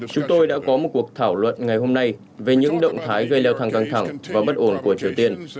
chúng tôi đã có một cuộc thảo luận ngày hôm nay về những động thái gây leo thang căng thẳng và bất ổn của triều tiên